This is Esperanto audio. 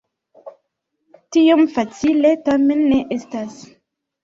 Tiom facile tamen ne estas.